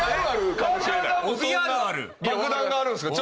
川島さんも爆弾があるんすか？